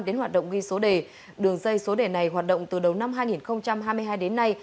đến hoạt động ghi số đề đường dây số đề này hoạt động từ đầu năm hai nghìn hai mươi hai đến nay